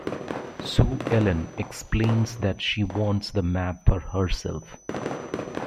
Sue Ellen explains that she wants the map for herself.